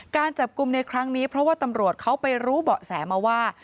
การจับกลุ่มในครั้งนี้เพราะว่าตำรวจเขาไปรู้เบาะแสมาว่า